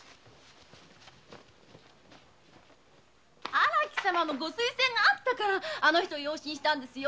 荒木様のご推薦があったからあの人を養子にしたんですよ。